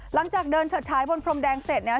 หลังจากเดินชัดใช้บนพรมแดงเสร็จนะฮะ